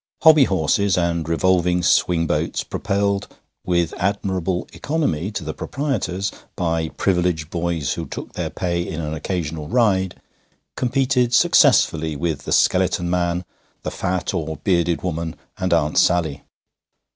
Hobby horses and revolving swing boats, propelled, with admirable economy to the proprietors, by privileged boys who took their pay in an occasional ride, competed successfully with the skeleton man, the fat or bearded woman, and Aunt Sally.